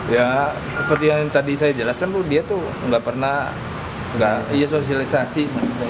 ya seperti yang tadi saya jelaskan bu dia tuh nggak pernah iya sosialisasi